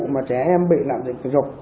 mà trẻ em bị làm dịch dục